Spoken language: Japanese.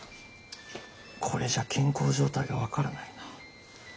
これじゃ健康状態が分からないな。